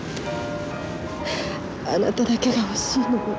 あなただけが欲しいのよ。